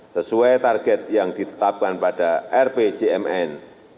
sesuai target yang ditetapkan pada rpcmn dua ribu lima belas dua ribu sembilan belas